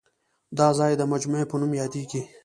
دا ځای د مجمع په نوم یادېږي.